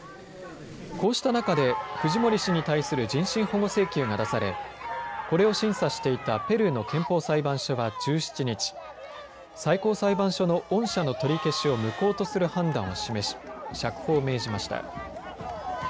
こうした中でフジモリ氏に対する人身保護請求が出されこれを審査していたペルーの憲法裁判所は１７日、最高裁判所の恩赦の取り消しを無効とする判断を示し釈放を命じました。